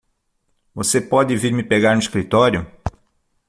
Você pode vir me pegar no escritório?